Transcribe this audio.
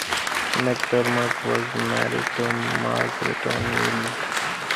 McDermott was married to Margaret O'Neill.